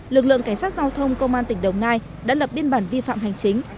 lực lượng cảnh sát giao thông công an tỉnh đồng nai đã lập biên bản vi phạm hành chính